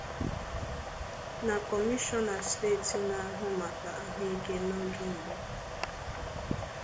na Kọmishọna steeti na-ahụ maka ahụike n'oge mbụ